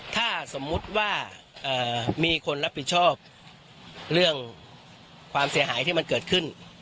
ถ้าสมมุติว่ามีคนรับผิดชอบเรื่องความเสียหายที่มันเกิดขึ้น